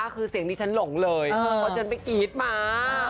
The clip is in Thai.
คือเสียงดิฉันหลงเลยอาจจะไปกี๊ดมา